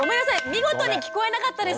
見事に聞こえなかったです。